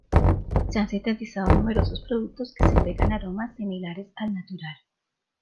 Se han sintetizado numerosos productos que segregan aromas similares al natural.